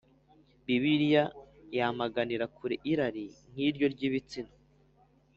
Bibiliya yamaganira kure irari nk iryo ry ibitsina